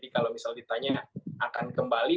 kalau misal ditanya akan kembali